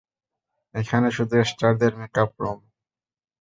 এখানে শুধু স্টারদের মেক আপ রুম।